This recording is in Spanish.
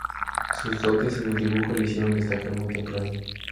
Sus dotes en el dibujo le hicieron destacar muy temprano.